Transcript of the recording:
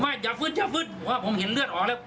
ผมว่าอย่าฟื้ดอย่าฟื้ดผมว่าผมเห็นเลือดออกแล้ว